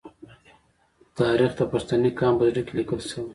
تاریخ د پښتني قام په زړه کې لیکل شوی.